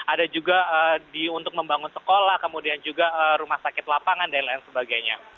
ada juga untuk membangun sekolah kemudian juga rumah sakit lapangan dan lain sebagainya